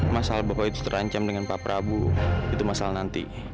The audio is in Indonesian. masalah bahwa itu terancam dengan pak prabowo itu masalah nanti